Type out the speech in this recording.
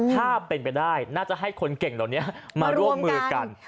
ถ้าเป็นไปได้น่าจะให้คนเก่งเหล่านี้มาร่วมมือกัน